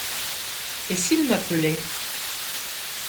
Et s’il m’appelait ?